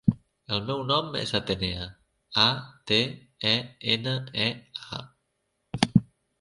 El meu nom és Atenea: a, te, e, ena, e, a.